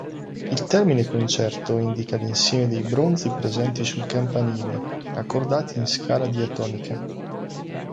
Il termine concerto indica l'insieme dei bronzi presenti sul campanile, accordati in scala diatonica.